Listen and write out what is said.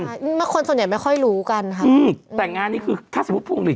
ใช่คนส่วนใหญ่ไม่ค่อยรู้กันค่ะอืมแต่งานนี้คือถ้าสมมุติพวงหลี